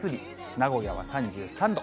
名古屋は３３度。